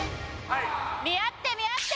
見合って見合って。